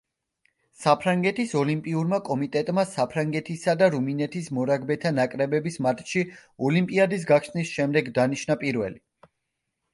საფრანგეთის ოლიმპიურმა კომიტეტმა საფრანგეთისა და რუმინეთის მორაგბეთა ნაკრებების მატჩი ოლიმპიადის გახსნის შემდეგ დანიშნა პირველი.